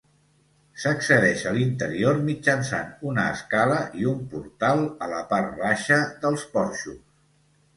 S'accedeix a l'interior mitjançant una escala i un portal a la part baixa dels porxos.